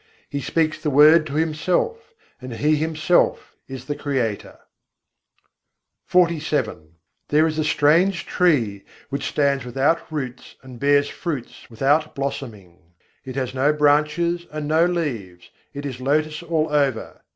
He speaks the Word to Himself; and He Himself is the Creator." XLVII I. 102. tarvar ek mûl vin thâdâ There is a strange tree, which stands without roots and bears fruits without blossoming; It has no branches and no leaves, it is lotus all over.